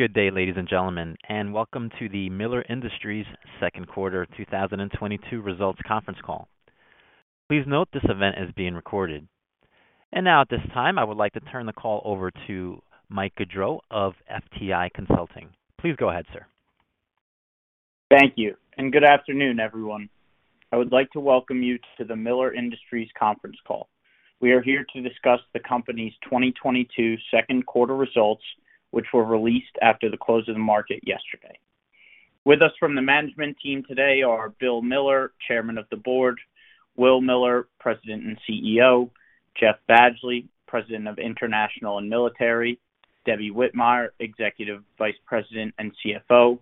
Good day, ladies and gentlemen, and welcome to the Miller Industries second quarter 2022 results conference call. Please note this event is being recorded. Now at this time I would like to turn the call over to Mike Gaudreau of FTI Consulting. Please go ahead, sir. Thank you and good afternoon, everyone. I would like to welcome you to the Miller Industries conference call. We are here to discuss the company's 2022 second quarter results which were released after the close of the market yesterday. With us from the management team today are Bill Miller, Chairman of the Board, Will Miller, President and CEO, Jeff Badgley, President of International and Military, Debbie Whitmire, Executive Vice President and CFO,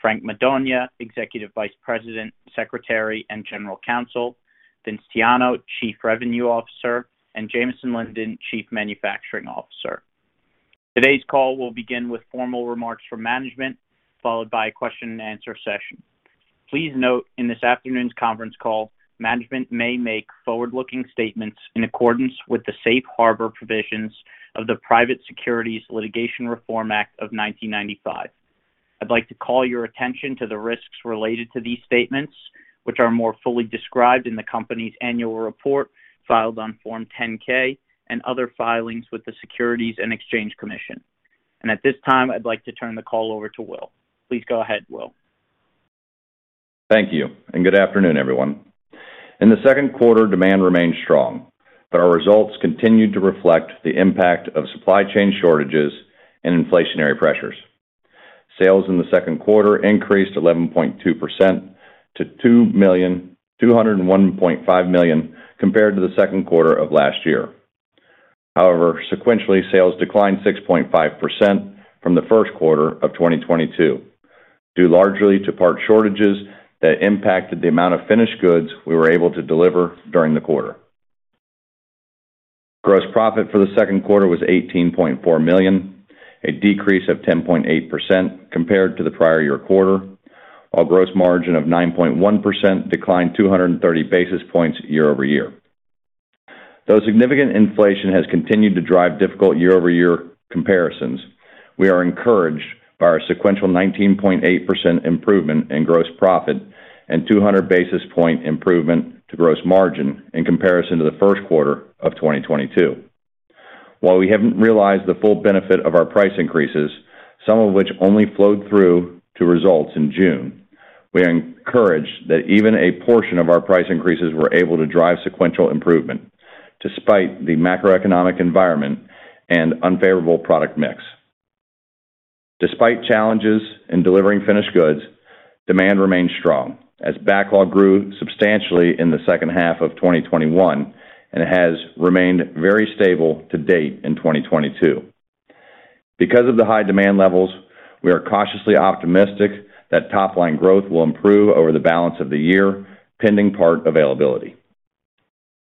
Frank Madonia, Executive Vice President, Secretary, and General Counsel, Vince Tiano, Chief Revenue Officer, and Jamison Linden, Chief Manufacturing Officer. Today's call will begin with formal remarks from management, followed by a question-and-answer session. Please note, in this afternoon's conference call, management may make forward-looking statements in accordance with the Safe Harbor provisions of the Private Securities Litigation Reform Act of 1995. I'd like to call your attention to the risks related to these statements, which are more fully described in the company's annual report filed on Form 10-K and other filings with the Securities and Exchange Commission. At this time, I'd like to turn the call over to Will. Please go ahead, Will. Thank you and good afternoon, everyone. In the second quarter, demand remained strong, but our results continued to reflect the impact of supply chain shortages and inflationary pressures. Sales in the second quarter increased 11.2% to $201.5 million compared to the second quarter of last year. However, sequentially, sales declined 6.5% from the first quarter of 2022, due largely to part shortages that impacted the amount of finished goods we were able to deliver during the quarter. Gross profit for the second quarter was $18.4 million, a decrease of 10.8% compared to the prior year quarter, while gross margin of 9.1% declined 230 basis points year over year. Though significant inflation has continued to drive difficult year-over-year comparisons, we are encouraged by our sequential 19.8% improvement in gross profit and 200 basis point improvement to gross margin in comparison to the first quarter of 2022. While we haven't realized the full benefit of our price increases, some of which only flowed through to results in June, we are encouraged that even a portion of our price increases were able to drive sequential improvement despite the macroeconomic environment and unfavorable product mix. Despite challenges in delivering finished goods, demand remained strong as backlog grew substantially in the second half of 2021 and has remained very stable to date in 2022. Because of the high demand levels, we are cautiously optimistic that top-line growth will improve over the balance of the year, pending part availability.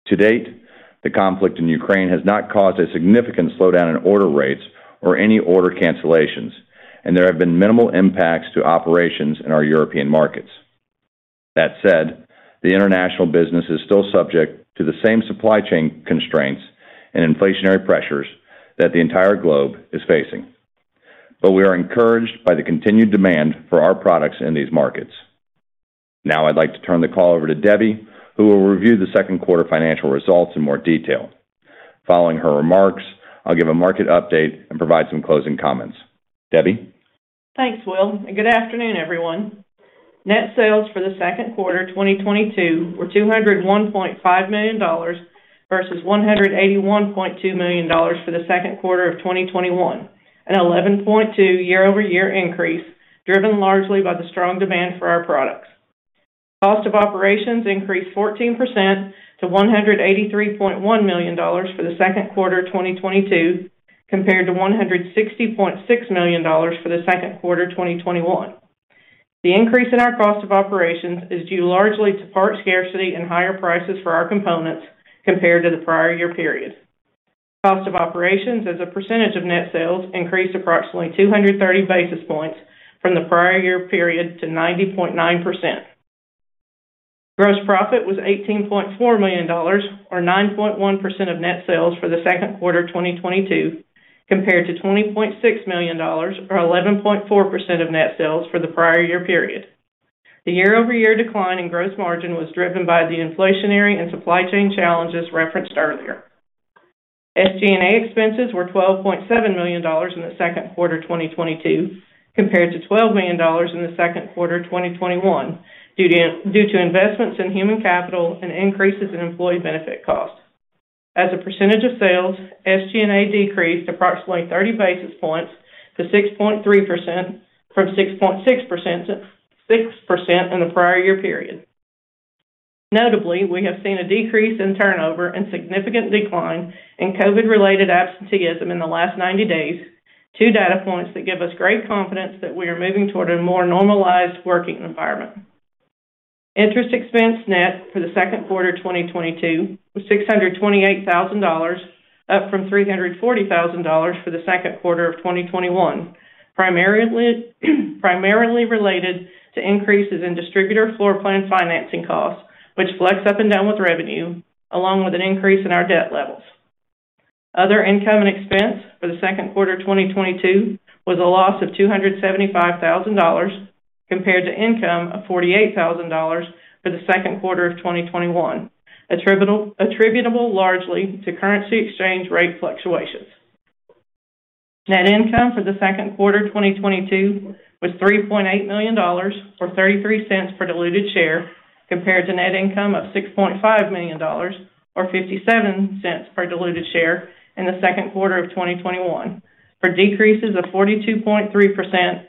To date, the conflict in Ukraine has not caused a significant slowdown in order rates or any order cancellations, and there have been minimal impacts to operations in our European markets. That said, the international business is still subject to the same supply chain constraints and inflationary pressures that the entire globe is facing. We are encouraged by the continued demand for our products in these markets. Now I'd like to turn the call over to Debbie, who will review the second quarter financial results in more detail. Following her remarks, I'll give a market update and provide some closing comments. Debbie? Thanks, Will, and good afternoon, everyone. Net sales for the second quarter 2022 were $201.5 million versus $181.2 million for the second quarter of 2021, an 11.2% year-over-year increase driven largely by the strong demand for our products. Cost of operations increased 14% to $183.1 million for the second quarter 2022 compared to $160.6 million for the second quarter 2021. The increase in our cost of operations is due largely to part scarcity and higher prices for our components compared to the prior year period. Cost of operations as a percentage of net sales increased approximately 230 basis points from the prior year period to 90.9%. Gross profit was $18.4 million or 9.1% of net sales for the second quarter 2022 compared to $20.6 million or 11.4% of net sales for the prior year period. The year-over-year decline in gross margin was driven by the inflationary and supply chain challenges referenced earlier. SG&A expenses were $12.7 million in the second quarter 2022 compared to $12 million in the second quarter 2021 due to investments in human capital and increases in employee benefit costs. As a percentage of sales, SG&A decreased approximately 30 basis points to 6.3% from 6.6% to 6% in the prior year period. Notably, we have seen a decrease in turnover and significant decline in COVID-related absenteeism in the last 90 days, two data points that give us great confidence that we are moving toward a more normalized working environment. Interest expense net for the second quarter 2022 was $628,000, up from $340,000 for the second quarter of 2021. Primarily related to increases in distributor floorplan financing costs, which flex up and down with revenue along with an increase in our debt levels. Other income and expense for the second quarter 2022 was a loss of $275,000 compared to income of $48,000 for the second quarter of 2021, attributable largely to currency exchange rate fluctuations. Net income for the second quarter 2022 was $3.8 million, or $0.33 per diluted share compared to net income of $6.5 million, or $0.57 per diluted share in the second quarter of 2021, for decreases of 42.3%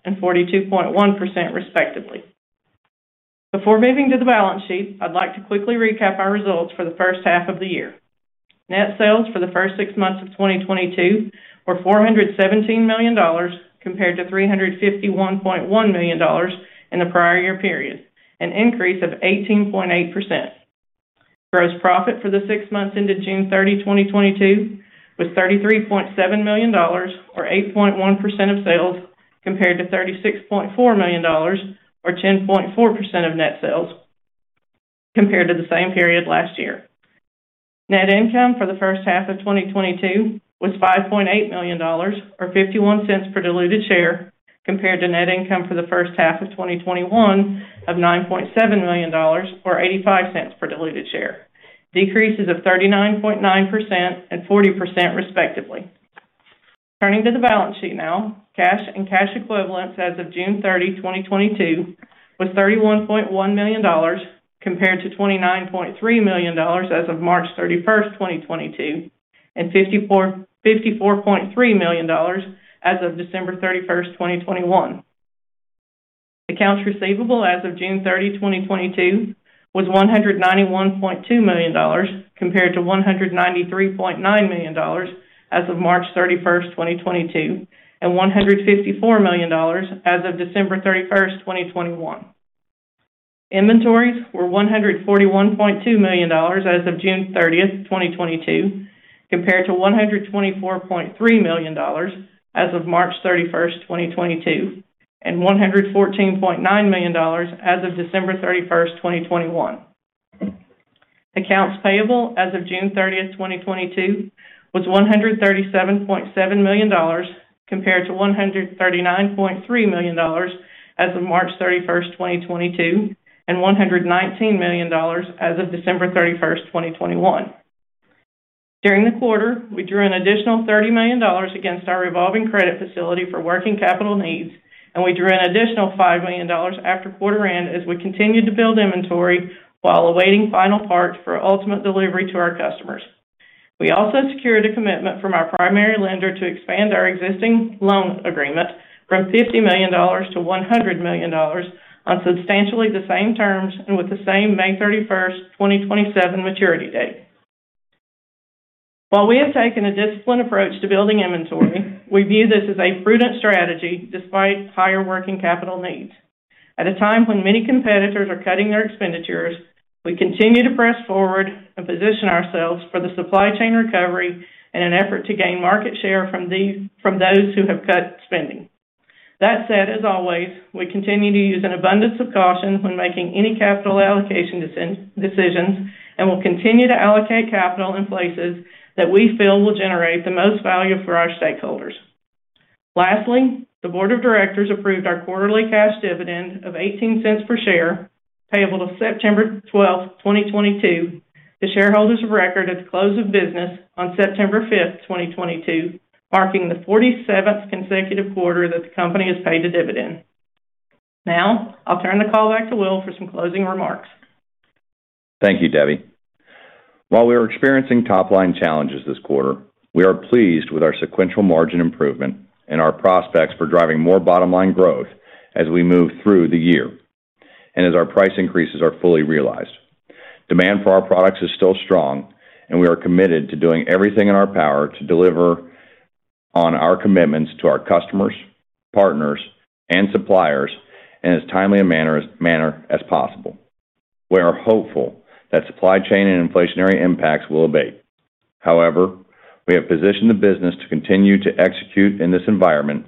and 42.1% respectively. Before moving to the balance sheet I'd like to quickly recap our results for the first half of the year. Net sales for the first six months of 2022 were $417 million, compared to $351.1 million in the prior year period, an increase of 18.8%. Gross profit for the six months ended June 30, 2022, was $33.7 million or 8.1% of sales compared to $36.4 million or 10.4% of net sales compared to the same period last year. Net income for the first half of 2022 was $5.8 million or $0.51 per diluted share, compared to net income for the first half of 2021 of $9.7 million or $0.85 per diluted share. Decreases of 39.9% and 40% respectively. Turning to the balance sheet now. Cash and cash equivalents as of June 30, 2022, was $31.1 million compared to $29.3 million as of March 31st, 2022, and $54.3 million as of December 31st, 2021. Accounts receivable as of June 30, 2022, was $191.2 million compared to $193.9 million as of March 31st, 2022, and $154 million as of December 31st, 2021. Inventories were $141.2 million as of June 30th, 2022, compared to $124.3 million as of March 31st, 2022, and $114.9 million as of December 31st, 2021. Accounts payable as of June 30th, 2022, was $137.7 million compared to $139.3 million as of March 31st, 2022, and $119 million as of December 31st, 2021. During the quarter, we drew an additional $30 million against our revolving credit facility for working capital needs, and we drew an additional $5 million after quarter end as we continued to build inventory while awaiting final parts for ultimate delivery to our customers. We also secured a commitment from our primary lender to expand our existing loan agreement from $50 million to $100 million on substantially the same terms and with the same May 31st, 2027 maturity date. While we have taken a disciplined approach to building inventory, we view this as a prudent strategy despite higher working capital needs. At a time when many competitors are cutting their expenditures, we continue to press forward and position ourselves for the supply chain recovery in an effort to gain market share from those who have cut spending. That said, as always, we continue to use an abundance of caution when making any capital allocation decisions and will continue to allocate capital in places that we feel will generate the most value for our stakeholders. Lastly, the board of directors approved our quarterly cash dividend of $0.18 per share, payable on September 12th, 2022, to shareholders of record at the close of business on September 5th, 2022, marking the 47th consecutive quarter that the company has paid a dividend. Now I'll turn the call back to Will for some closing remarks. Thank you, Debbie. While we are experiencing top-line challenges this quarter, we are pleased with our sequential margin improvement and our prospects for driving more bottom-line growth as we move through the year and as our price increases are fully realized. Demand for our products is still strong, and we are committed to doing everything in our power to deliver on our commitments to our customers, partners, and suppliers in as timely a manner as possible. We are hopeful that supply chain and inflationary impacts will abate. However, we have positioned the business to continue to execute in this environment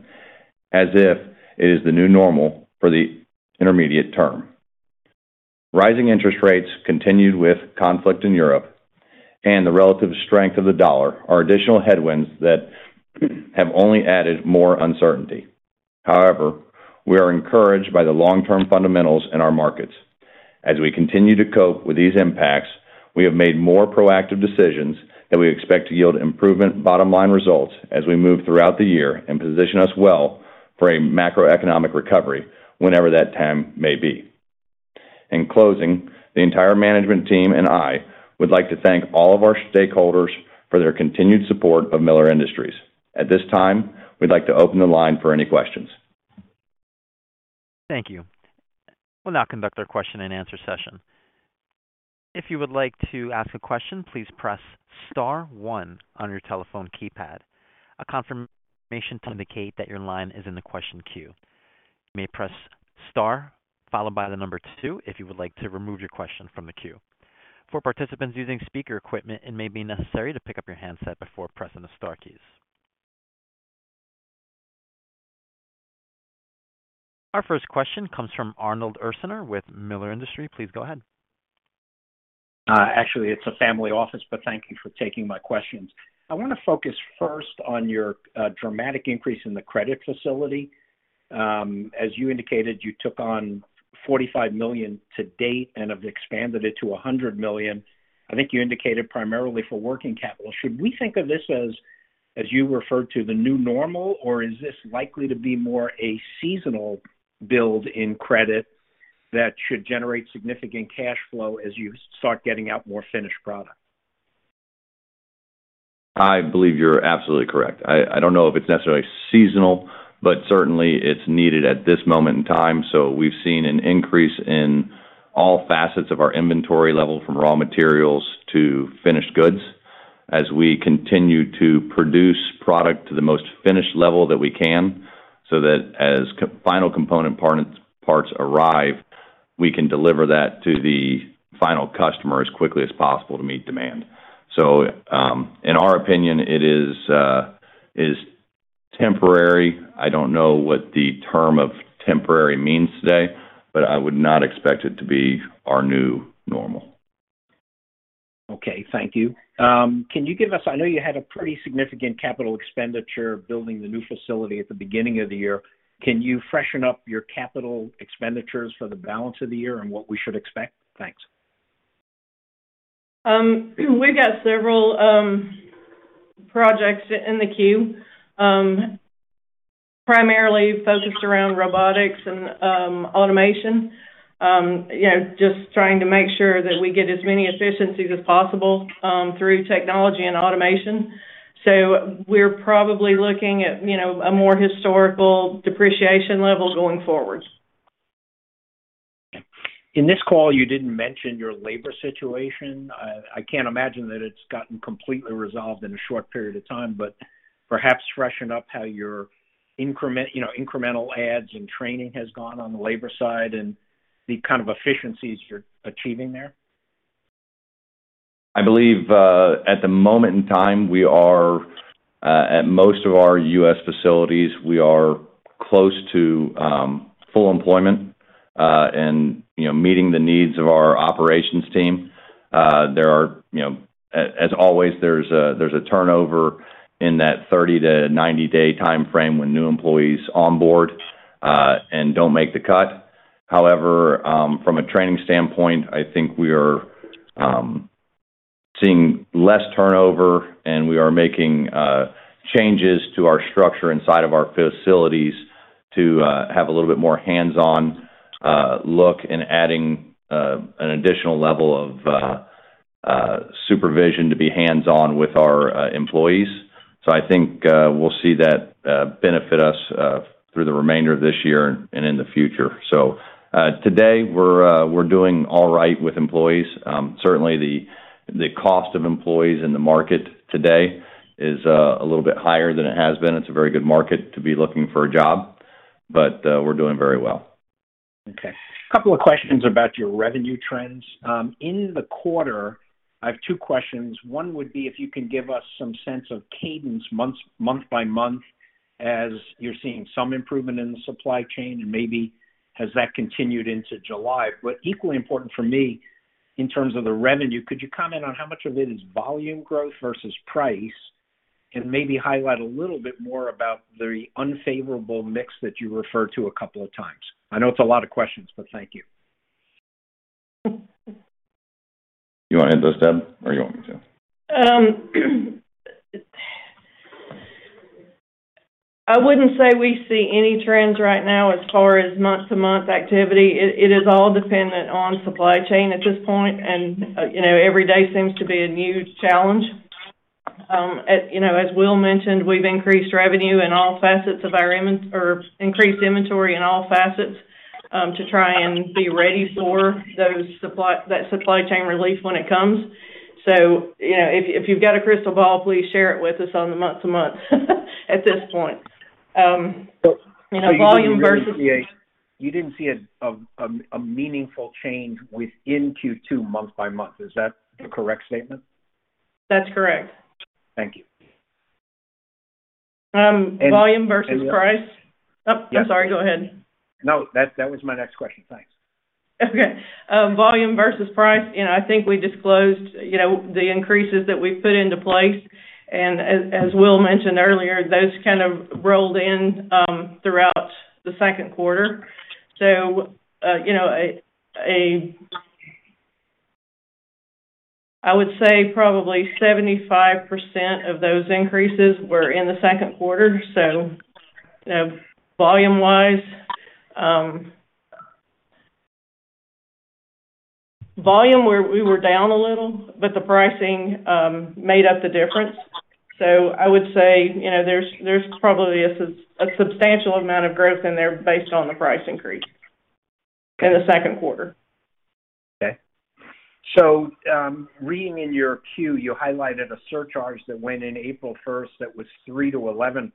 as if it is the new normal for the intermediate term. Rising interest rates, coupled with conflict in Europe and the relative strength of the dollar are additional headwinds that have only added more uncertainty. However, we are encouraged by the long-term fundamentals in our markets. As we continue to cope with these impacts, we have made more proactive decisions that we expect to yield improvement bottom line results as we move throughout the year and position us well for a macroeconomic recovery whenever that time may be. In closing, the entire management team and I would like to thank all of our stakeholders for their continued support of Miller Industries. At this time, we'd like to open the line for any questions. Thank you. We'll now conduct our question-and-answer session. If you would like to ask a question, please press star one on your telephone keypad. A confirmation to indicate that your line is in the question queue. You may press star followed by the number two if you would like to remove your question from the queue. For participants using speaker equipment, it may be necessary to pick up your handset before pressing the star keys. Our first question comes from Arnold Ursaner with Miller Industries. Please go ahead. Actually, it's a Family Office, but thank you for taking my questions. I wanna focus first on your dramatic increase in the credit facility. As you indicated, you took on $45 million to date and have expanded it to $100 million. I think you indicated primarily for working capital. Should we think of this as you referred to the new normal, or is this likely to be more a seasonal build in credit that should generate significant cash flow as you start getting out more finished product? I believe you're absolutely correct. I don't know if it's necessarily seasonal, but certainly it's needed at this moment in time. We've seen an increase in all facets of our inventory level from raw materials to finished goods as we continue to produce product to the most finished level that we can, so that as final component parts arrive, we can deliver that to the final customer as quickly as possible to meet demand. In our opinion, it is temporary. I don't know what the term of temporary means today, but I would not expect it to be our new normal. Okay. Thank you. Can you give us, I know you had a pretty significant capital expenditure building the new facility at the beginning of the year. Can you freshen up your capital expenditures for the balance of the year and what we should expect? Thanks. We've got several projects in the queue, primarily focused around robotics and automation. You know, just trying to make sure that we get as many efficiencies as possible through technology and automation. We're probably looking at, you know, a more historical depreciation level going forward. In this call, you didn't mention your labor situation. I can't imagine that it's gotten completely resolved in a short period of time, but perhaps freshen up how your increment, you know, incremental adds and training has gone on the labor side and the kind of efficiencies you're achieving there. I believe at the moment in time we are at most of our U.S. facilities close to full employment and you know meeting the needs of our operations team. There are you know as always there's a turnover in that 30-90 day timeframe when new employees onboard and don't make the cut. However from a training standpoint I think we are seeing less turnover and we are making changes to our structure inside of our facilities to have a little bit more hands-on look and adding an additional level of supervision to be hands-on with our employees. I think we'll see that benefit us through the remainder of this year and in the future. Today we're doing all right with employees. Certainly the cost of employees in the market today is a little bit higher than it has been. It's a very good market to be looking for a job, but we're doing very well. Okay. Couple of questions about your revenue trends. In the quarter, I have two questions. One would be if you can give us some sense of cadence months, month by month as you're seeing some improvement in the supply chain, and maybe has that continued into July? But equally important for me in terms of the revenue, could you comment on how much of it is volume growth versus price and maybe highlight a little bit more about the unfavorable mix that you referred to a couple of times? I know it's a lot of questions, but thank you. You wanna hit those, Deb, or you want me to? I wouldn't say we see any trends right now as far as month-to-month activity. It is all dependent on supply chain at this point. You know, every day seems to be a new challenge. You know, as Will mentioned, we've increased inventory in all facets to try and be ready for that supply chain relief when it comes. You know, if you've got a crystal ball, please share it with us on the month-to-month at this point. You know, volume versus- You didn't see a meaningful change within Q2 month by month. Is that a correct statement? That's correct. Thank you. Volume versus price. And, and- Oh, I'm sorry. Go ahead. No, that was my next question. Thanks. Okay. Volume versus price. You know, I think we disclosed, you know, the increases that we put into place. As Will mentioned earlier, those kind rolled in throughout the second quarter. I would say probably 75% of those increases were in the second quarter. You know, volume-wise, we were down a little, but the pricing made up the difference. I would say, you know, there's probably a substantial amount of growth in there based on the price increase in the second quarter. Okay, reading in your Q, you highlighted a surcharge that went in April 1st that was 3%-11%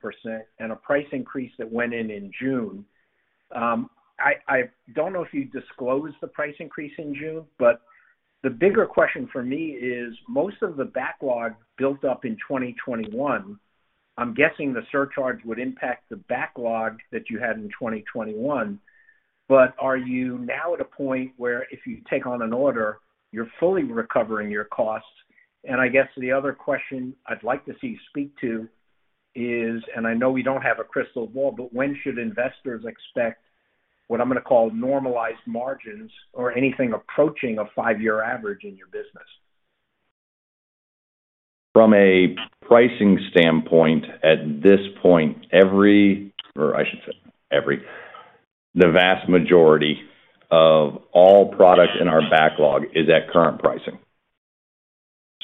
and a price increase that went in June. I don't know if you disclosed the price increase in June. The bigger question for me is most of the backlog built up in 2021. I'm guessing the surcharge would impact the backlog that you had in 2021. But are you now at a point where if you take on an order, you're fully recovering your costs? And I guess the other question I'd like to see you speak to is, and I know we don't have a crystal ball, but when should investors expect what I'm going to call normalized margins or anything approaching a five-year average in your business? From a pricing standpoint, at this point, or I should say, the vast majority of all products in our backlog is at current pricing.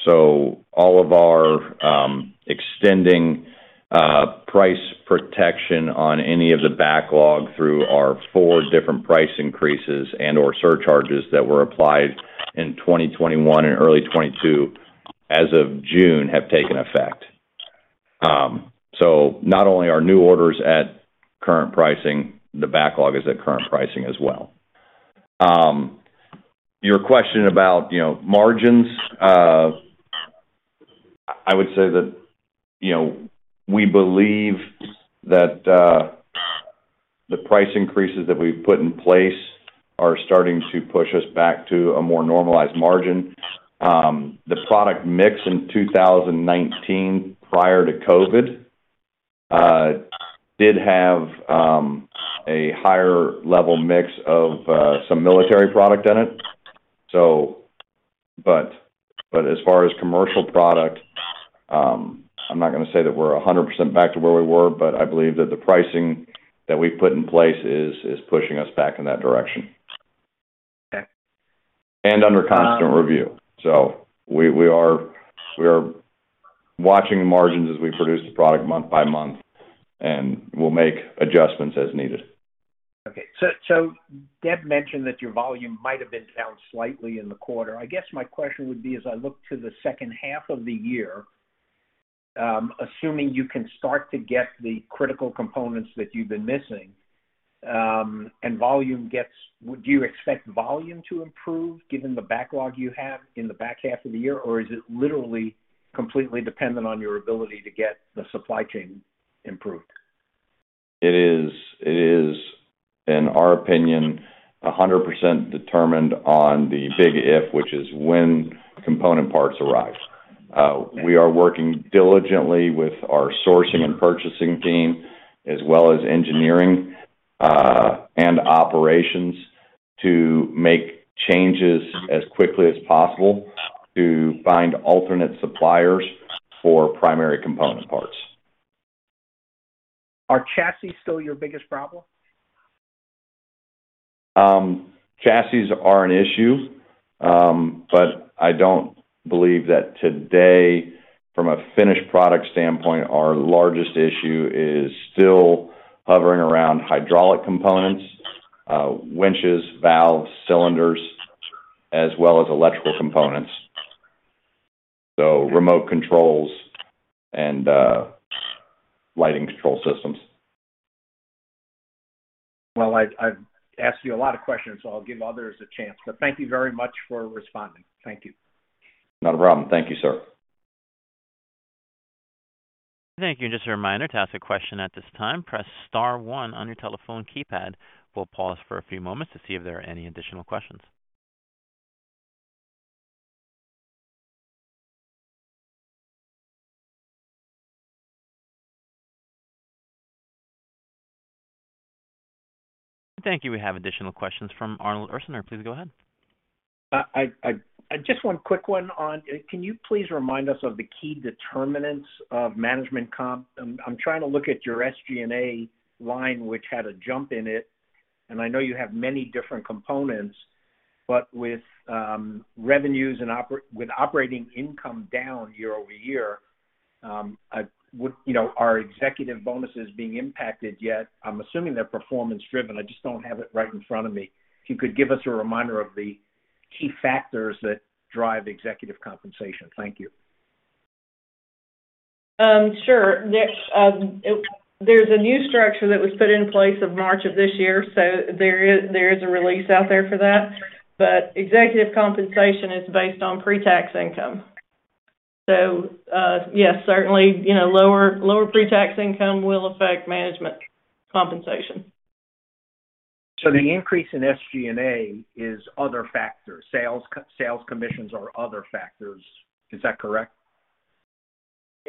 All of our existing price protection on any of the backlog through our four different price increases and/or surcharges that were applied in 2021 and early 2022 as of June have taken effect. Not only are new orders at current pricing, the backlog is at current pricing as well. Your question about, you know, margins, I would say that, you know, we believe that the price increases that we've put in place are starting to push us back to a more normalized margin. The product mix in 2019, prior to COVID, did have a higher level mix of some military product in it. As far as commercial product, I'm not gonna say that we're 100% back to where we were, but I believe that the pricing that we put in place is pushing us back in that direction. Okay. Under constant review. We are watching margins as we produce the product month by month, and we'll make adjustments as needed. Okay. Deb mentioned that your volume might have been down slightly in the quarter. I guess my question would be, as I look to the second half of the year, assuming you can start to get the critical components that you've been missing, do you expect volume to improve given the backlog you have in the back half of the year, or is it literally completely dependent on your ability to get the supply chain improved? It is in our opinion 100% determined on the big if, which is when component parts arrive. We are working diligently with our sourcing and purchasing team as well as engineering and operations to make changes as quickly as possible to find alternate suppliers for primary component parts. Are chassis still your biggest problem? Chassis are an issue but I don't believe that today, from a finished product standpoint, our largest issue is still hovering around hydraulic components, winches, valves, cylinders, as well as electrical components, so remote controls and lighting control systems. Well, I've asked you a lot of questions, so I'll give others a chance, but thank you very much for responding. Thank you. Not a problem. Thank you, sir. Thank you. Just a reminder to ask a question at this time, press star one on your telephone keypad. We'll pause for a few moments to see if there are any additional questions. Thank you. We have additional questions from Arnold Ursaner. Please go ahead. Just one quick one on. Can you please remind us of the key determinants of management comp? I'm trying to look at your SG&A line, which had a jump in it, and I know you have many different components, but with revenues and operating income down year-over-year, I would. You know, are executive bonuses being impacted yet? I'm assuming they're performance driven. I just don't have it right in front of me. If you could give us a reminder of the key factors that drive executive compensation. Thank you. Sure, Nick. There's a new structure that was put in place in March of this year, so there is a release out there for that. Executive compensation is based on pre-tax income. Yes, certainly, you know, lower pre-tax income will affect management compensation. The increase in SG&A is other factors, sales commissions or other factors. Is that correct?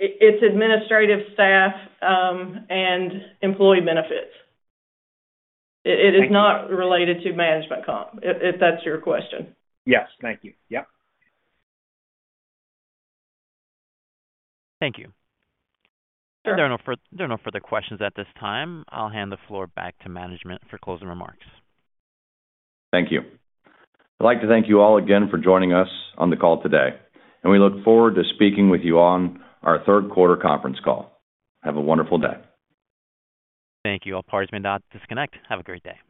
It's administrative staff, and employee benefits. Thank you. It is not related to management comp, if that's your question. Yes. Thank you. Yep. Thank you. Sure. There are no further questions at this time. I'll hand the floor back to management for closing remarks. Thank you. I'd like to thank you all again for joining us on the call today, and we look forward to speaking with you on our third quarter conference call. Have a wonderful day. Thank you. All parties may now disconnect. Have a great day.